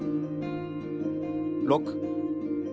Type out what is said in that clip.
６。